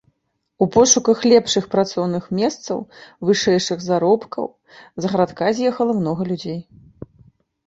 У пошуках лепшых працоўных месцаў, вышэйшых заробкаў з гарадка з'ехала многа людзей.